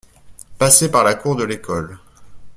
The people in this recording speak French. Passer par la cour de l’école.